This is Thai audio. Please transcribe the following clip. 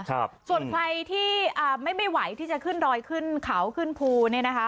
ส่วนใครที่ไม่ไหวที่จะขึ้นรอยขึ้นเขาขึ้นภูนินะฮะ